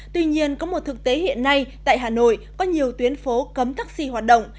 tuy nhiên có một thực tế hiện nay tại hà nội có nhiều tuyến phố cấm taxi hoạt động